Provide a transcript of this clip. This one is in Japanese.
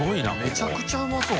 めちゃくちゃうまそう。